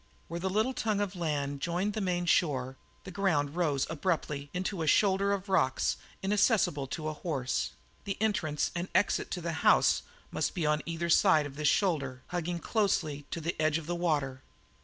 Where the little tongue of land joined the main shore the ground rose abruptly into a shoulder of rocks inaccessible to a horse; the entrance and exit to the house must be on either side of this shoulder hugging closely the edge of the water.